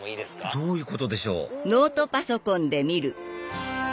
どういうことでしょう？